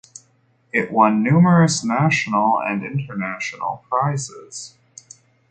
It won numerous national and international prizes.